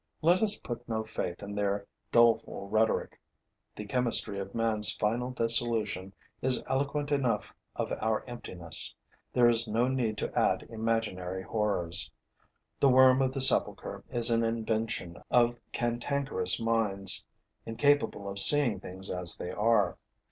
Let us put no faith in their doleful rhetoric. The chemistry of man's final dissolution is eloquent enough of our emptiness: there is no need to add imaginary horrors. The worm of the sepulchre is an invention of cantankerous minds, incapable of seeing things as they are.